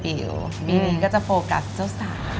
ปีนี้ก็จะโฟกัสเจ้าสาว